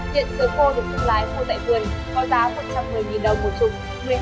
diện sở khô được thông lái khôi tại vườn có giá một trăm một mươi đồng một chục